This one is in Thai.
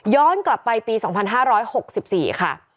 ย้อนกลับไปปี๒๕๖๔ค่ะ